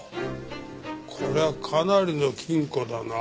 こりゃかなりの金庫だな。